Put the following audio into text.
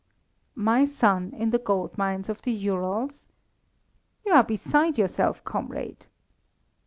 "My son in the gold mines of the Urals! You are beside yourself, comrade."